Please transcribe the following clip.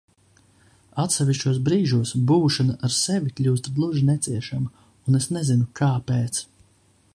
Atsevišķos brīžos būšana ar sevi kļūst gluži neciešama, un es nezinu kāpēc.